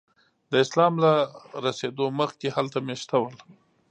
د اسلام له رسېدو مخکې هلته میشته ول.